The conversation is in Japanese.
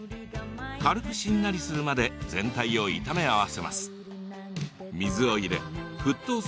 軽くしんなりするまで全体を炒め合わせます。